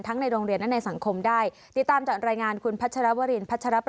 สวัสดีครับ